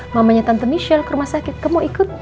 mamanya tante nishalle ke rumah sakit kamu ikut